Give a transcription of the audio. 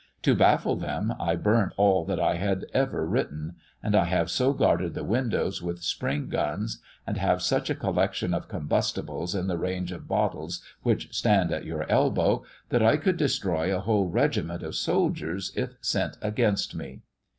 To baffle them, I burnt all that I had ever written; and I have so guarded the windows with spring guns, and have such a collection of combustibles in the range of bottles which stand at your elbow, that I could destroy a whole regiment of soldiers if sent against me.'